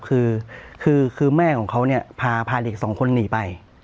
คือคือแม่ของเขาเนี่ยพาเด็กสองคนหนีไป